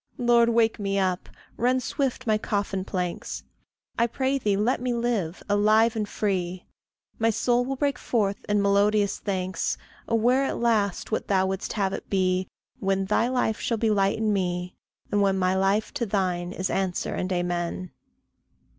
Lord, wake me up; rend swift my coffin planks; I pray thee, let me live alive and free. My soul will break forth in melodious thanks, Aware at last what thou wouldst have it be, When thy life shall be light in me, and when My life to thine is answer and amen.